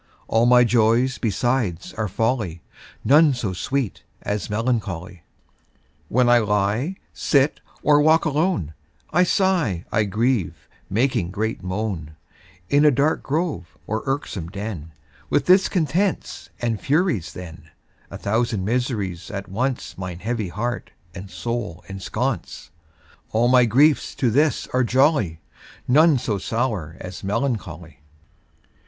All my joys besides are folly, None so sweet as melancholy. When I lie, sit, or walk alone, I sigh, I grieve, making great moan, In a dark grove, or irksome den, With discontents and Furies then, A thousand miseries at once Mine heavy heart and soul ensconce, All my griefs to this are jolly, None so sour as melancholy.